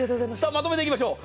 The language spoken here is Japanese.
まとめていきましょう。